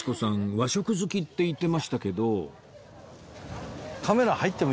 和食好きって言ってましたけど